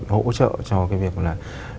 hỗ trợ cho cái việc là